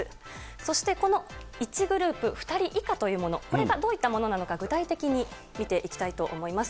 そして、この１グループ２人以下というもの、これがどういったものなのか、具体的に見ていきたいと思います。